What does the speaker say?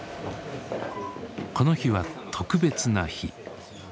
この日は特別な日。